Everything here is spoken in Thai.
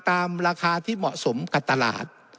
ราคาที่เหมาะสมกับตลาด